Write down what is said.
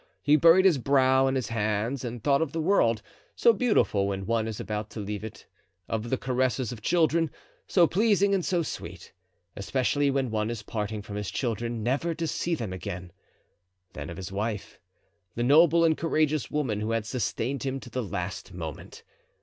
He buried his brow in his hands and thought of the world, so beautiful when one is about to leave it; of the caresses of children, so pleasing and so sweet, especially when one is parting from his children never to see them again; then of his wife, the noble and courageous woman who had sustained him to the last moment.